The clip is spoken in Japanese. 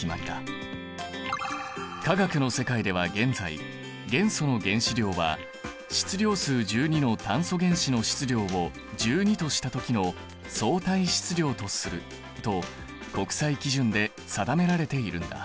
化学の世界では現在元素の原子量は「質量数１２の炭素原子の質量を１２とした時の相対質量とする」と国際基準で定められているんだ。